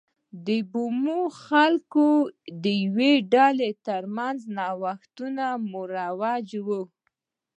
د بومي خلکو د یوې ډلې ترمنځ نوښتونه مروج و.